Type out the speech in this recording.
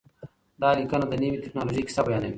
دا لیکنه د نوې ټکنالوژۍ کیسه بیانوي.